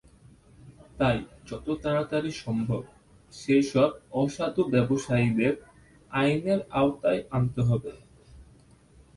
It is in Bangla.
তাই যত তাড়াতাড়ি সম্ভব সেসব অসাধু ব্যবসায়ীদেরকে আইনের আওতায় আনতে হবে।